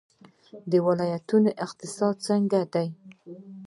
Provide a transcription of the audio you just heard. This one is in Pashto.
د ولایتونو اقتصاد څنګه دی؟